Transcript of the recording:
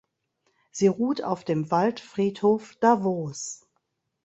Sie ruht auf dem Waldfriedhof Davos.